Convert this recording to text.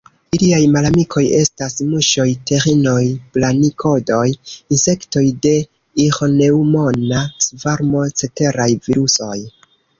Iliaj malamikoj estas muŝoj, taĥinoj, brakonidoj, insektoj de iĥneŭmona svarmo, ceteraj virusoj.